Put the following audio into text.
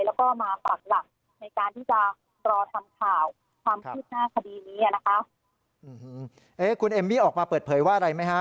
แล้วก็มาปากหลักในการที่จะรอทำข่าวความคืบหน้าคดีนี้อ่ะนะคะอืมเอ๊ะคุณเอมมี่ออกมาเปิดเผยว่าอะไรไหมฮะ